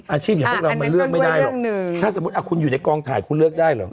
อาชีพอย่างพวกเรามันเลือกไม่ได้หรอกถ้าสมมุติคุณอยู่ในกองถ่ายคุณเลือกได้เหรอ